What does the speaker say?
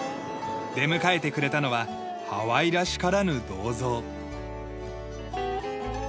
出迎えてくれたのはハワイらしからぬ銅像。